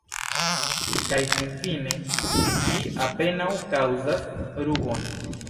Kaj finfine ĝi apenaŭ kaŭzas rubon.